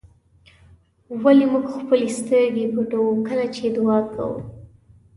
ولې موږ خپلې سترګې پټوو کله چې دعا کوو.